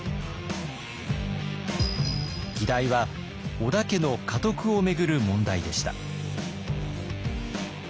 議題は織田家の家督を巡る問題でした。